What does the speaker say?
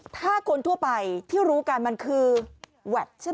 ถ้าคนทั่วไปที่รู้กันมันคือแวดใช่ไหม